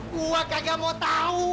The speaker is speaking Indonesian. gue kagak mau tahu